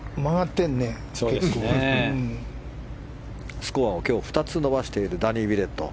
スコアを２つ伸ばしているダニー・ウィレット。